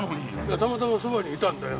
たまたまそばにいたんだよ。